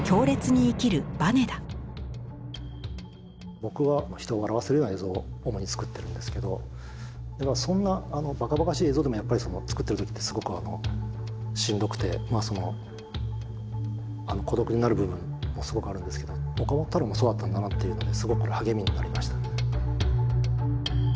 僕は人を笑わせるような映像を主に作ってるんですけどそんなバカバカしい映像でもやっぱり作ってる時ってすごくしんどくて孤独になる部分もすごくあるんですけど岡本太郎もそうだったんだなっていうのですごく励みになりましたね。